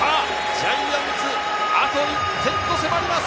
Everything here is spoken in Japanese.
ジャイアンツ、あと１点と迫ります。